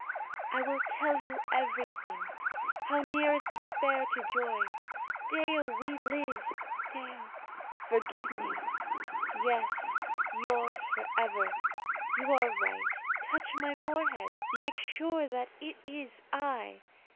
I will tell you everything. How near is despair to joy! Dea, we live! Dea, forgive me. Yes yours for ever. You are right. Touch my forehead. Make sure that it is I.